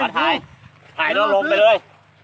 ถ่ายเราลงไปเลย